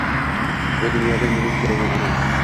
Bu dunyoda mening keragim onam